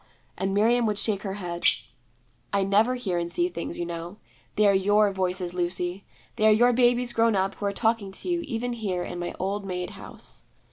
And Miriam would shake her head. 'I never hear and see Things, you know. They are your Voices, Lucy; they are your babies grown up who are talking to you even here in my old maid house.'